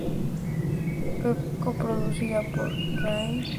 Fue coproducida por Rai Fiction y Tele München Gruppe.